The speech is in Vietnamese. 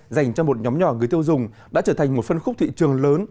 dành cho một nhóm nhỏ người tiêu dùng đã trở thành một phân khúc thị trường lớn